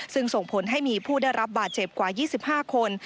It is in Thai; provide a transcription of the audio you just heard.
ซึ่งส่งผลให้มีผู้ได้รับบาดเจ็บกว่า๒๕คน